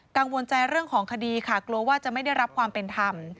กังวลใจเรื่องของคดีค่ะกลัวว่าจะไม่ได้รับความเป็นธรรม